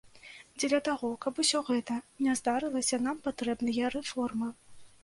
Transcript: Дзеля таго, каб усё гэта не здарылася, нам патрэбныя рэформы.